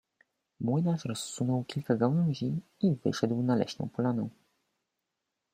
Młynarz rozsunął kilka gałęzi i wyszedł na leśną polanę.